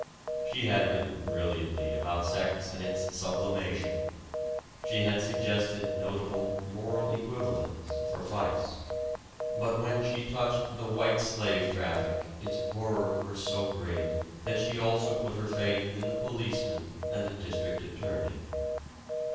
She had written brilliantly about sex and its "sublimation," she had suggested notable "moral equivalents" for vice, but when she touched the white slave traffic its horrors were so great that she also put her faith in the policeman and the district attorney.